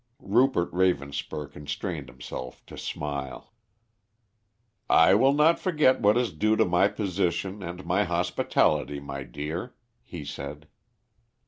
Rupert Ravenspur constrained himself to smile. "I will not forget what is due to my position and my hospitality, my dear," he said.